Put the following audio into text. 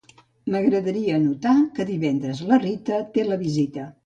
M'agradaria anotar que divendres la Rita té la visita.